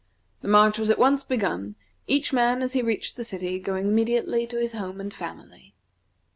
The march was at once begun, each man, as he reached the city, going immediately to his home and family.